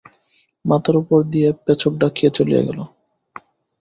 মাথার উপর দিয়া পেচক ডাকিয়া চলিয়া গেল।